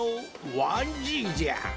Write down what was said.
わんじいじゃ。